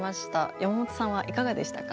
山本さんはいかがでしたか？